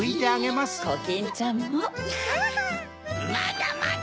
まだまだ！